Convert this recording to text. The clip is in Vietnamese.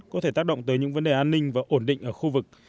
có thể tác động tới những vấn đề an ninh và ổn định ở khu vực